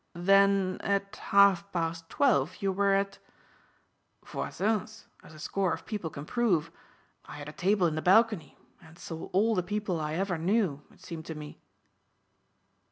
"Then at half past twelve you were at " "Voisin's as a score of people can prove. I had a table in the balcony and saw all the people I ever knew it seemed to me."